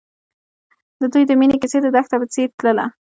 د دوی د مینې کیسه د دښته په څېر تلله.